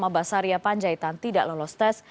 lima basaria panjaitan tidak lolos tes